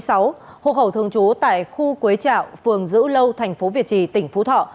sinh năm một nghìn chín trăm bảy mươi sáu hộ khẩu thường chú tại khu quế trạo phường dữ lâu thành phố việt trì tỉnh phú thọ